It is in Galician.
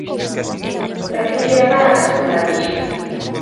¿Para que quere a palabra, señor Alixo?